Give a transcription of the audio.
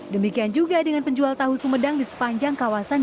demikian juga dengan penjual tahu sumedang di sepanjang kawasan